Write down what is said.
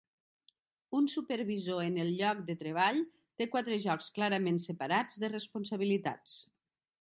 Un supervisor en el lloc de treball té quatre jocs clarament separats de responsabilitats.